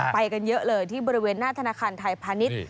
ไปกันเยอะเลยที่บริเวณหน้าธนาคารไทยพาณิชย์